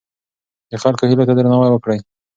د خلکو هیلو ته درناوی وکړئ.